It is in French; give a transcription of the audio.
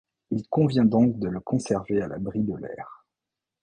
Il convient donc de le conserver à l'abri de l'air.